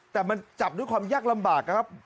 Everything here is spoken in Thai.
แต่มันจับด้วยความยากลำบากนะครับ